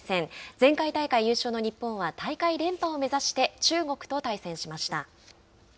前回大会優勝の日本は大会連覇を目指して中国と対戦しました。